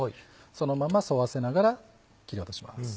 そのまま沿わせながら切り落とします。